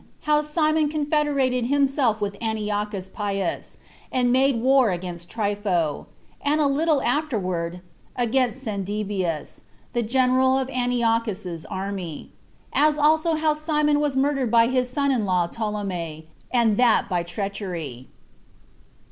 How Simon Confederated Himself With Antiochus Pius, And Made War Against Trypho, And A Little Afterward, Against Cendebeus, The General Of Antiochus's Army; As Also How Simon Was Murdered By His Son In Law Ptolemy, And That By Treachery.